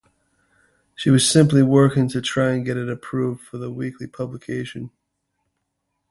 She was simply working to try and get it approved for the weekly publication.